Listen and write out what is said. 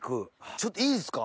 ちょっといいですか？